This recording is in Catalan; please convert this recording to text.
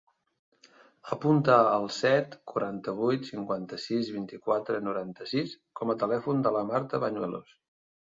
Apunta el set, quaranta-vuit, cinquanta-sis, vint-i-quatre, noranta-sis com a telèfon de la Marta Bañuelos.